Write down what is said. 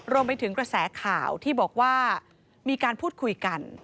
รวมไปถึงกระแสข่าวที่บอกว่ามีการพูดคุยกัน